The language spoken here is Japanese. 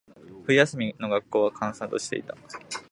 冬休みの学校は、閑散としていた。